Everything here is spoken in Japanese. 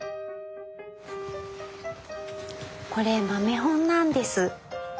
これ豆本なんです。